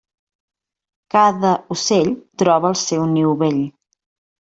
Cada ocell troba el seu niu bell.